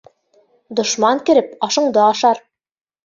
Дошман кереп ашыңды ашар